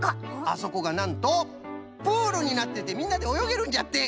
あそこがなんとプールになっててみんなでおよげるんじゃって！